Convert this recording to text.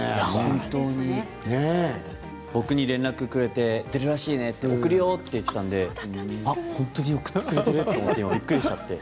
本当に僕に連絡をくれて出るらしいね送るよって言ってくれたんで本当に送ってくれてる！ってびっくりした。